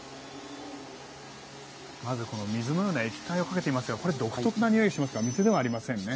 まずこの水のような液体をかけていますがこれ独特なにおいしますが水ではありませんね。